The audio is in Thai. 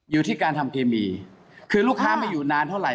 อยู่ที่การทำเคมีคือลูกค้าไม่อยู่นานเท่าไห